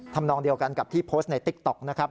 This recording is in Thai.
ทำนองเดียวกันกับที่โพสต์ในติ๊กต๊อกนะครับ